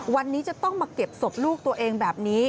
วันนี้จะต้องมาเก็บศพลูกตัวเองแบบนี้